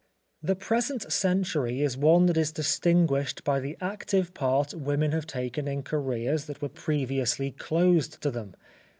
THE present century is one that is distinguished by the active part women have taken in careers that were previously closed to them.